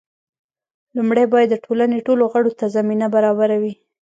لومړی باید د ټولنې ټولو غړو ته زمینه برابره وي.